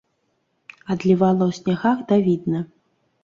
Адлівала ў снягах давідна.